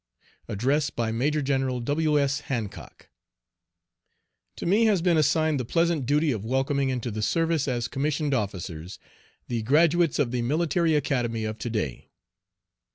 ADDRESS BY MAJOR GENERAL W. S. HANCOCK. To me has been assigned the pleasant duty of welcoming into the service as commissioned officers, the Graduates of the Military Academy of to day.